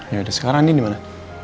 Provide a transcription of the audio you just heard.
yaudah sekarang andi dimana